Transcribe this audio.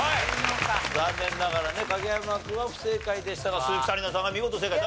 残念ながらね影山君は不正解でしたが鈴木紗理奈さんが見事正解。